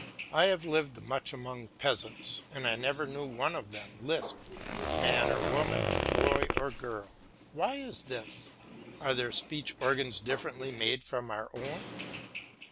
I have lived much among peasants, and I never knew one of them lisp, man or woman, boy or girl. Why is this? Are their speech organs differently made from our own?